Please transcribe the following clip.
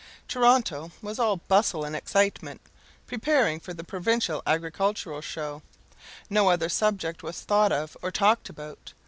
S.M. Toronto was all bustle and excitement, preparing for the Provincial Agricultural Show; no other subject was thought of or talked about.